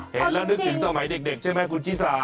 เห็นแล้วนึกถึงสมัยเด็กใช่ไหมคุณชิสา